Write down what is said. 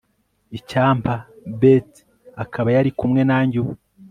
icyampa beth akaba yari kumwe nanjye ubu